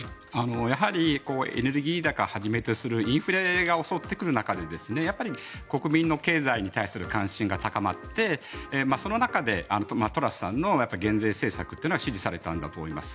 やはりエネルギー高をはじめとするインフレが襲ってくる中でやっぱり国民の経済に対する関心が高まってその中でトラスさんの減税政策というのが支持されたんだと思います。